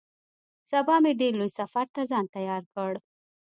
سبا مې ډېر لوی سفر ته ځان تيار کړ.